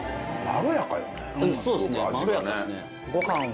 まろやかですね。